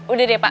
udah deh pak